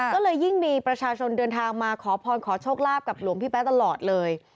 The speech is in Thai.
ก็เลยยิ่งมีประชาชนเดินทางมาขอพรขอโชคลาภกับหลวงพี่แป๊ะตลอดเลย